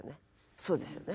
そうですよね。